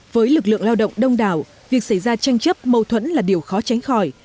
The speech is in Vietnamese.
với lực lượng lao động đông đảo việc xảy ra tranh chấp mâu thuẫn là điều khó tránh khỏi